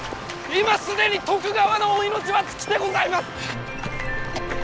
今既に徳川のお命は尽きてございます！